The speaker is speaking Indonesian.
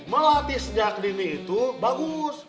melatih sejak dini itu bagus